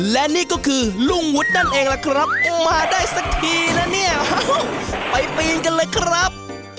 และนี่ก็คือลุงวุฒินั่นเองล่ะครับมาได้สักทีนะเนี่ยไปปีนกันเลยครับ